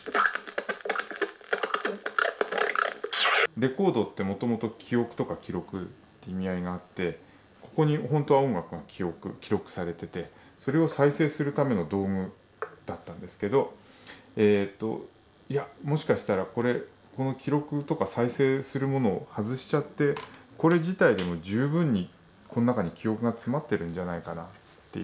レコードってもともと記憶とか記録って意味合いがあってここにほんとは音楽が記録されててそれを再生するための道具だったんですけど「いやもしかしたらこの記録とか再生するものを外しちゃってこれ自体でも十分にこの中に記憶が詰まってるんじゃないかな」っていう。